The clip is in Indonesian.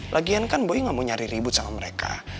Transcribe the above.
lagian kan boy gak mau nyari ribut sama mereka